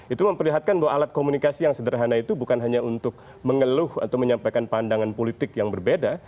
itu memperlihatkan bahwa alat komunikasi yang sederhana itu bukan hanya untuk mengeluh atau menyampaikan pandangan politik yang berbeda